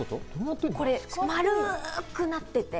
これ、丸くなっていて。